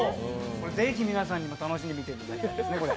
ぜひ皆さんにも楽しんで見ていただきたいですね、これ。